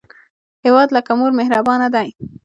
هیواد لکه مور مهربانه دی